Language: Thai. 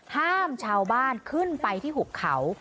ห้ามชาวบ้านขึ้นไปที่หุบเขา